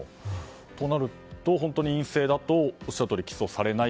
となると、本当に陰性だとおっしゃったとおり起訴されない。